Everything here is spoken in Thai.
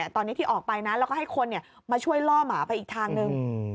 ตอนนี้ที่ออกไปนะแล้วก็ให้คนมาช่วยล่อหมาไปอีกทางหนึ่ง